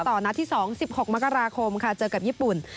นัดที่๒๑๖มกราคมค่ะเจอกับญี่ปุ่น